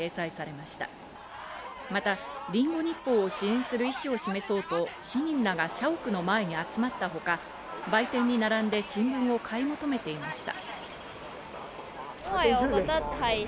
またリンゴ日報を支援する意思を示そうと市民らが社屋の前に集まったほか、売店に並んで新聞を買い求めていました。